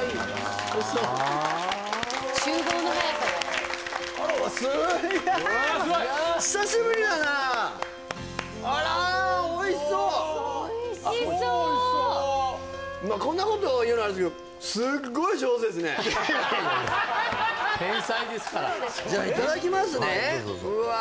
おいしそうすっげ久しぶりだなあらおいしそうおいしそうこんなこと言うのあれですけど天才ですからじゃあいただきますねうわ